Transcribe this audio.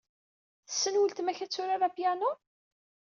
Tessen ultma k ad turar piano?